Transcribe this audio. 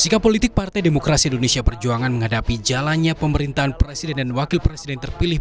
sikap politik partai demokrasi indonesia perjuangan menghadapi jalannya pemerintahan presiden dan wakil presiden terpilih